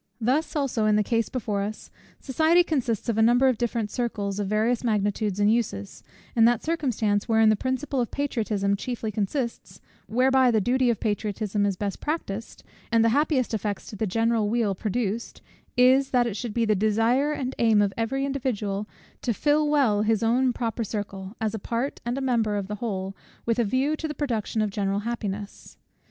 Thus also in the case before us: society consists of a number of different circles of various magnitudes and uses; and that circumstance, wherein the principle of patriotism chiefly consists, whereby the duty of patriotism is best practised, and the happiest effects to the general weal produced, is, that it should be the desire and aim of every individual to fill well his own proper circle, as a part and member of the whole, with a view to the production of general happiness.